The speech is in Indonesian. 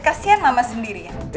kasian mama sendirian